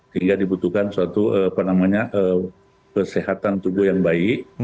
sehingga dibutuhkan suatu apa namanya kesehatan tubuh yang baik